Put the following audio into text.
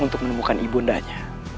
untuk menemukan ibundanya